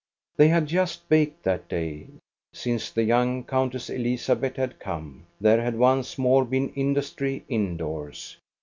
They had just baked that day. Since the young Countess Elizabeth had come, there had once more been industry in doors.